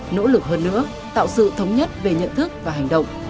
nỗ lực hơn nữa tạo sự thống nhất về nhận thức và hành động